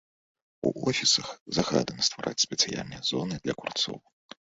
У офісах загадана ствараць спецыяльныя зоны для курцоў.